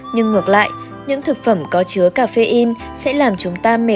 nhưng ngược lại những thực phẩm có chứa caffeine sẽ làm chúng ta tỉnh táo